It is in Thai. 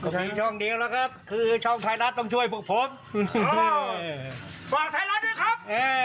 มีช่องเดียวแล้วครับคือช่องไทยรัฐต้องช่วยพวกผมฝากไทยรัฐด้วยครับ